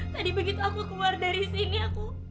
tadi begitu aku keluar dari sini aku